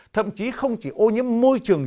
thậm chí không chỉ ô nhiễm môi trường